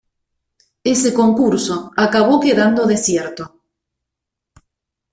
Ese concurso acabó quedando desierto.